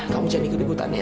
kamu jangan digeliput tania